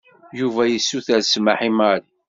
Yuba yessuter smeḥ i Mary.